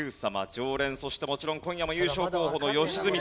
常連そしてもちろん今夜も優勝候補の良純さん